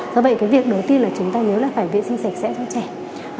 do vậy cái việc đầu tiên là chúng ta nhớ là phải vệ sinh sạch sẽ cho trẻ